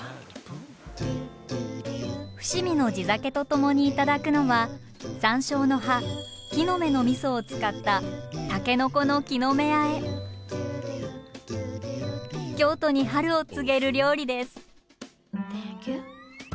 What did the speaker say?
伏見の地酒とともに頂くのは山椒の葉木の芽のみそを使った京都に春を告げる料理です。